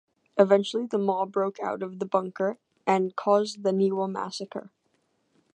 Eventually the Maw broke out of the bunker and caused the Niwa Massacre.